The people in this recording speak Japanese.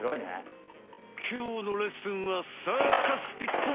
きょうのレッスンはサーカスティック！